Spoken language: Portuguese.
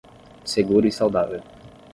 Seguro e saudável